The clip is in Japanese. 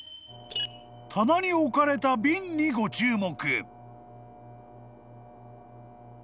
［棚に置かれた瓶にご注目］